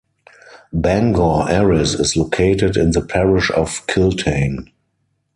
Bangor Erris is located in the Parish of Kiltane.